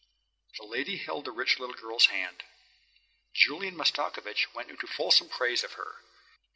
The lady held the rich little girl's hand. Julian Mastakovich went into fulsome praise of her.